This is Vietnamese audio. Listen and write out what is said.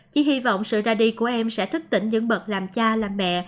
chỉ hy vọng sự ra đi của em sẽ thức tỉnh những bậc làm cha làm mẹ